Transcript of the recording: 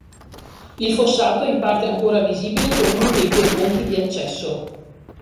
Il fossato è in parte ancora visibile con uno dei due ponti di accesso.